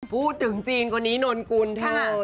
พูดถึงจีนพวกนี้นท์กุณฑ์คือเธอ